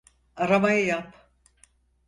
Aramayı yap.